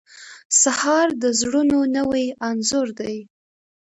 سهار د زړونو نوی انځور دی.